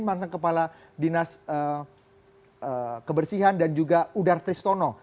mantan kepala dinas kebersihan dan juga udar pristono